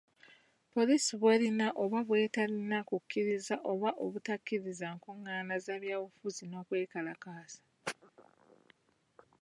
Poliisi bw’erina oba bw’eterina ku kukkiriza oba obutakkiriza nkung’aana za byabufuzi n’okwekalakaasa.